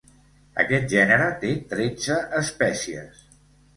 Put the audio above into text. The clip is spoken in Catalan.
Aquest gènere té tretze espècies.